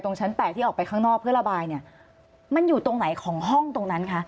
ชั้น๘ที่ออกไปข้างนอกเพื่อระบายเนี่ยมันอยู่ตรงไหนของห้องตรงนั้นคะ